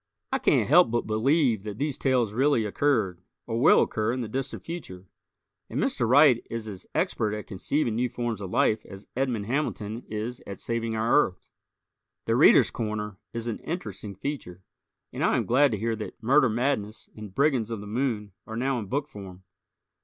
I can't help but believe that these tales really occurred, or will occur in the distant future. And Mr. Wright is as expert at conceiving new forms of life as Edmond Hamilton is at saving our Earth. "The Readers' Corner" is an interesting feature, and I am glad to hear that "Murder Madness" and "Brigands of the Moon" are now in book form.